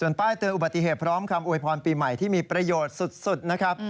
ป้ายเตือนอุบัติเหตุพร้อมคำอวยพรปีใหม่ที่มีประโยชน์สุดนะครับ